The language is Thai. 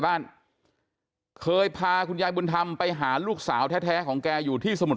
แข็งแข็งแข็งแข็งแข็งแข็งแข็งแข็งแข็งแข็ง